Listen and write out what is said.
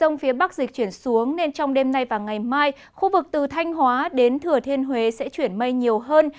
trong phía bắc dịch chuyển xuống nên trong đêm nay và ngày mai khu vực từ thanh hóa đến thừa thiên huế sẽ chuyển mây nhiều hơn